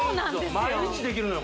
毎日できるのよ